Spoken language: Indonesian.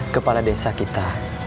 kepala desa kita